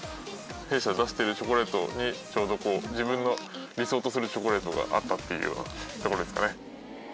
弊社で出してるチョコレートにちょうど自分の理想とするチョコレートがあったっていうようなとこですかね。